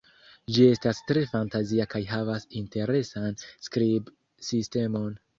Ĝi estas tre fantazia kaj havas interesan skribsistemon.